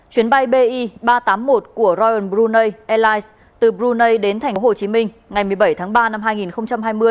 chuyến bay bi ba trăm tám mươi một của ryan brunei airlines từ brunei đến tp hcm ngày một mươi bảy tháng ba năm hai nghìn hai mươi